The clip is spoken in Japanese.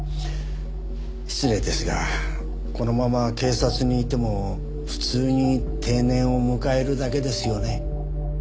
失礼ですがこのまま警察にいても普通に定年を迎えるだけですよね。